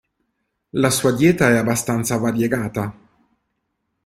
La sua dieta è abbastanza variegata.